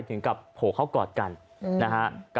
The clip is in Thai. อย่างเราก็ข่าวกอดกันครับ